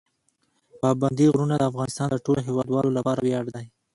پابندي غرونه د افغانستان د ټولو هیوادوالو لپاره ویاړ دی.